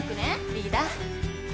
リーダー？